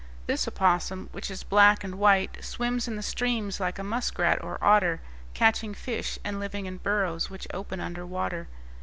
This opossum, which is black and white, swims in the streams like a muskrat or otter, catching fish and living in burrows which open under water.